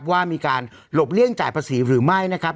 ว่ามีการหลบเลี่ยงจ่ายภาษีหรือไม่นะครับ